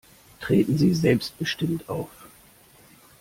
Treten Sie selbstbestimmt auf.